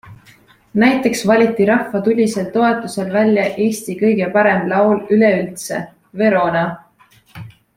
Näiteks valiti rahva tulisel toetusel välja Eesti kõige parem laul üleüldse - Verona!